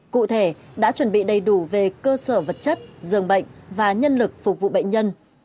cụ thể đã chuẩn bị đầy đủ về cơ sở vật chất giường bệnh và nhân lực phục vụ bệnh nhân